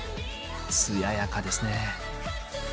艶やかですね。